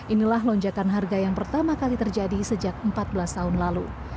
inilah lonjakan harga yang pertama kali terjadi sejak empat belas tahun lalu